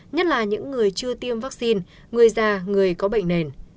nhất là những người chưa tiêm vaccine người già người có bệnh nền